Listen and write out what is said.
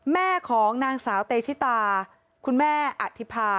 แม่ของนางสาวเตชิตาคุณแม่อธิภา